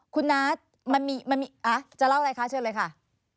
คุณน้ามันจะเล่าอะไรคะเชิญเลยค่ะ